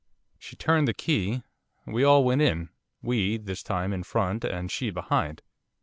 She turned the key. We all went in we, this time, in front, and she behind.